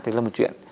thế là một chuyện